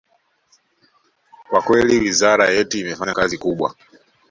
Kwa kweli wizara yetu imefanya kazi kubwa